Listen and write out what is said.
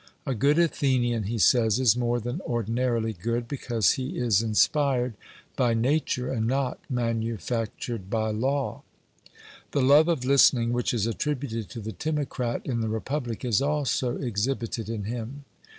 A good Athenian, he says, is more than ordinarily good, because he is inspired by nature and not manufactured by law. The love of listening which is attributed to the Timocrat in the Republic is also exhibited in him.